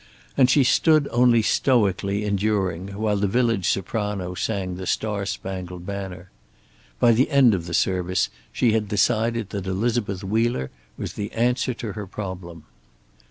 And she stood only stoically enduring while the village soprano sang "The Star Spangled Banner." By the end of the service she had decided that Elizabeth Wheeler was the answer to her problem.